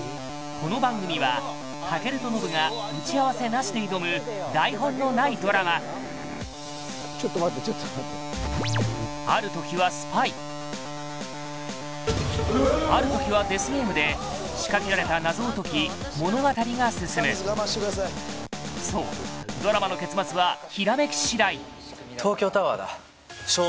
この番組は健とノブが打ち合わせなしで挑む台本のないドラマちょっと待ってちょっとあるときはスパイあるときはデスゲームで仕掛けられた謎を解き物語が進むそうドラマの結末はひらめき次第・